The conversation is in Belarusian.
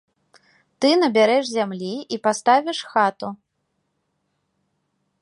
Ты набярэш зямлі і паставіш хату.